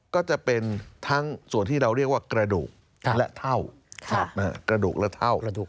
ก็จะเป็นทั้งส่วนที่เราเรียกว่ากระดูกและเท่า